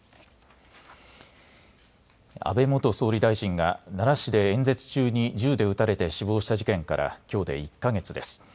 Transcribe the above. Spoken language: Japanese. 安倍元総理大臣が奈良市で演説中に銃で撃たれて死亡した事件からきょうで１か月です。